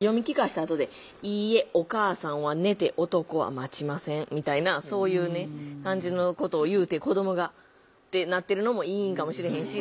読み聞かせたあとで「いいえ。お母さんは寝て男は待ちません」みたいなそういう感じのことを言うて子どもがってなってるのもいいんかもしれへんし。